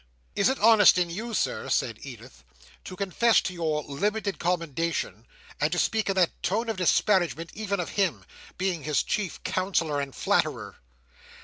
"Is it honest in you, Sir," said Edith, "to confess to your 'limited commendation,' and to speak in that tone of disparagement, even of him: being his chief counsellor and flatterer!"